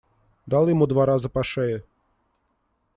Дал ему два раза по шее.